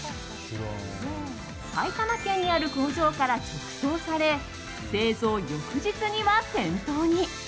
埼玉県にある工場から直送され製造翌日には店頭に。